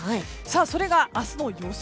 それが明日の予想